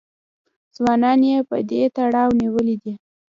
ځوانان یې په دې تړاو نیولي دي